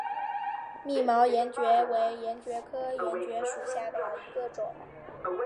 密毛岩蕨为岩蕨科岩蕨属下的一个种。